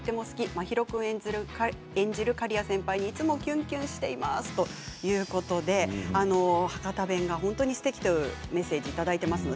真宙君演じる刈谷先輩にいつもきゅんきゅんしていますということで博多弁が本当にすてきというメッセージをいただいています。